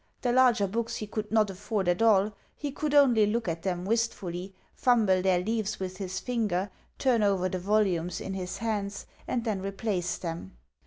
The larger books he could not afford at all; he could only look at them wistfully, fumble their leaves with his finger, turn over the volumes in his hands, and then replace them.